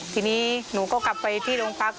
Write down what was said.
ทีนี้หนูก็กลับไปที่โรงพัก